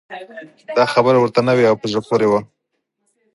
دا خبره ورته نوې او په زړه پورې وه.